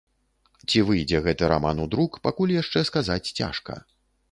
Ці выйдзе гэты раман у друк, пакуль яшчэ сказаць цяжка.